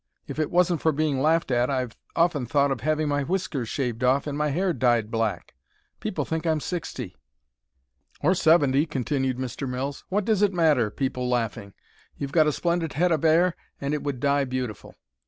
"If it wasn't for being laughed at I've often thought of having my whiskers shaved off and my hair dyed black. People think I'm sixty." "Or seventy," continued Mr. Mills. "What does it matter, people laughing? You've got a splendid head of 'air, and it would dye beautiful."